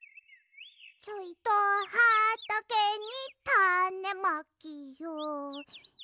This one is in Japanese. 「ちょいと畑にタネまきよ」